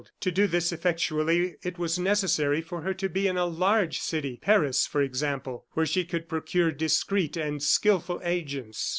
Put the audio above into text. To do this effectually it was necessary for her to be in a large city Paris, for example where she could procure discreet and skilful agents.